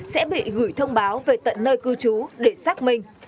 sẽ bị gửi thông báo về tận nơi cư trú để xác minh